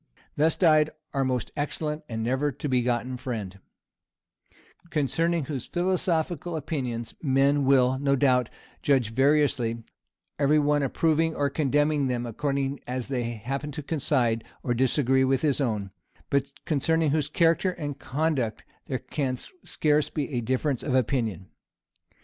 Thus died our most excellent and never to be forgotten friend; concerning whose philosophical opinions men will, no doubt, judge variously, every one approving or condemning them, according as they happen to coincide or disagree with his own; but concerning whose character and conduct there can scarce be a difference of opinion.